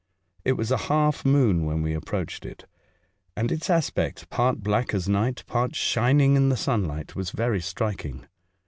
It was a half moon when we approached it, and its aspect, part black as night, part shining in the sunlight, was very striking.